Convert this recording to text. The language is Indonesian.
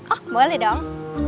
oh boleh dong